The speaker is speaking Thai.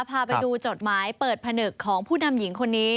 พาไปดูจดหมายเปิดผนึกของผู้นำหญิงคนนี้